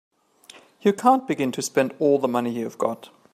You can't begin to spend all the money you've got.